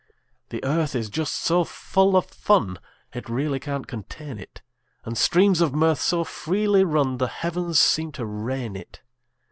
The earth is just so full of fun It really can't contain it; And streams of mirth so freely run The heavens seem to rain it.